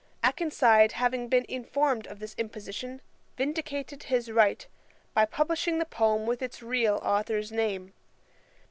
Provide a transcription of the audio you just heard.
Akenside having been informed of this imposition, vindicated his right by publishing the poem with its real authour's name.